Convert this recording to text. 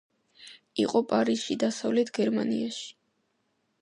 იყო პარიზში, დასავლეთ გერმანიაში.